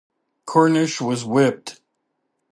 Cornish was whipped.